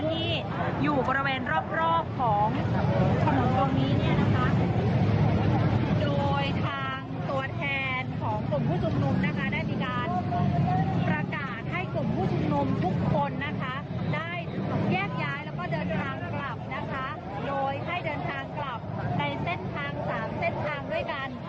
ได้แยกย้ายแล้วก็เดินทางกลับนะคะโดยให้เดินทางกลับในเส้นทางสามเส้นทางด้วยกัน